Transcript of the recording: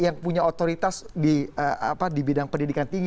yang punya otoritas di bidang pendidikan tinggi